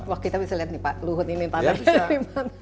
wah kita bisa lihat nih pak